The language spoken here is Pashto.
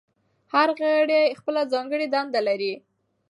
هر غړی خپله ځانګړې دنده لري.